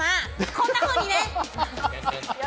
こんなふうにね。